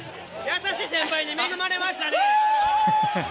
優しい先輩に恵まれましたね。